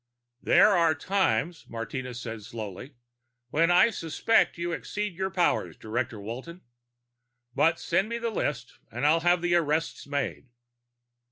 "There are times," Martinez said slowly, "when I suspect you exceed your powers, Director Walton. But send me the list and I'll have the arrests made."